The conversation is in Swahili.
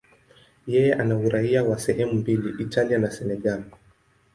Yeye ana uraia wa sehemu mbili, Italia na Senegal.